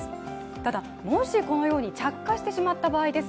ただ、もしこのように着火してしまった場合です。